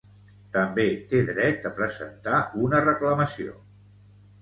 També té dret a presentar una reclamació